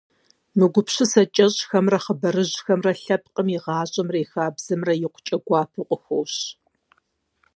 Мы гупсысэ кӏэщӏхэмрэ хъыбарыжьхэмрэ лъэпкъым и гъащӏэмрэ и хабзэмрэ икъукӏэ гуапэу къыхощ.